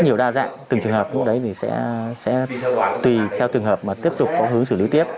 nhiều đa dạng từng trường hợp đó thì sẽ tùy theo trường hợp mà tiếp tục có hướng xử lý tiếp